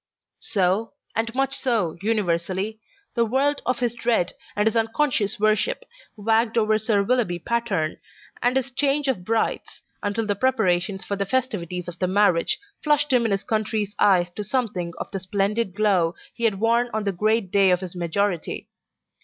So, and much so universally, the world of his dread and his unconscious worship wagged over Sir Willoughby Patterne and his change of brides, until the preparations for the festivities of the marriage flushed him in his county's eyes to something of the splendid glow he had worn on the great day of his majority.